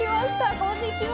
こんにちは。